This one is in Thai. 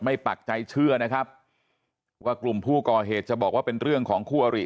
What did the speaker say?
ปักใจเชื่อนะครับว่ากลุ่มผู้ก่อเหตุจะบอกว่าเป็นเรื่องของคู่อริ